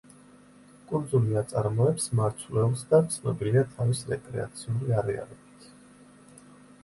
კუნძული აწარმოებს მარცვლეულს და ცნობილია თავის რეკრეაციული არეალებით.